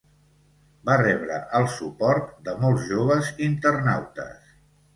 Va rebre el suport de molts joves internautes.